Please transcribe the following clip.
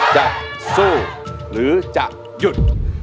จะสู้หรือจะหยุด